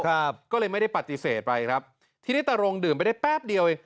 ครับก็เลยไม่ได้ปฏิเสธไปครับทีนี้ตารงดื่มไปได้แป๊บเดียว